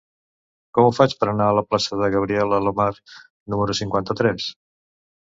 Com ho faig per anar a la plaça de Gabriel Alomar número cinquanta-tres?